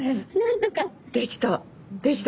できた。